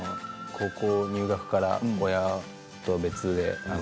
高校入学から親と別で。